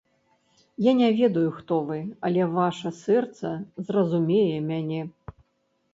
Я не ведаю, хто вы, але ваша сэрца зразумее мяне.